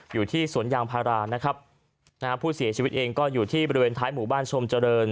อยู่ที่สวนยางพารานะครับนะฮะผู้เสียชีวิตเองก็อยู่ที่บริเวณท้ายหมู่บ้านชมเจริญ